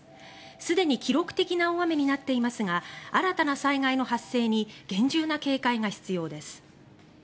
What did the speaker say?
すでに記録的な大雨になっていますが新たな災害の発生に厳重な警戒が必要です。